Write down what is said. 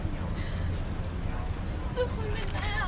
ไม่ใช่นี่คือบ้านของคนที่เคยดื่มอยู่หรือเปล่า